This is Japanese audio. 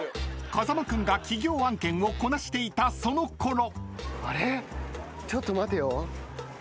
［風間君が企業案件をこなしていたそのころ］